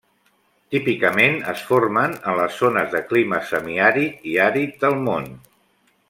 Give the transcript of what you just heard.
Típicament es formen en les zones de clima semiàrid i àrid del món.